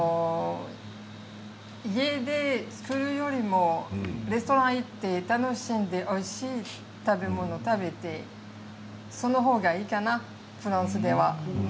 家で作るよりもレストランに行って楽しんでおいしい食べ物を食べてその方がいいかなフランスでは。